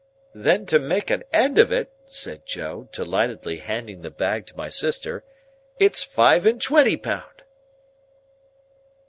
"Then to make an end of it," said Joe, delightedly handing the bag to my sister; "it's five and twenty pound."